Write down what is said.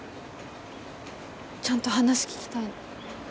ちゃんと話聞きたいの。